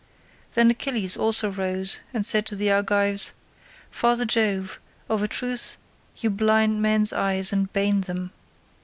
Then Achilles also rose and said to the Argives, "Father Jove, of a truth you blind men's eyes and bane them.